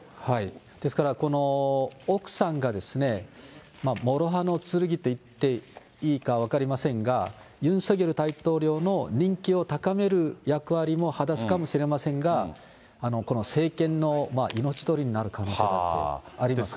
ですから、この奥さんがですね、もろ刃の剣と言っていいか分かりませんが、ユン・ソンニョル大統領の人気を高める役割を果たすかもしれませんが、この政権の命取りになる可能性だってあります。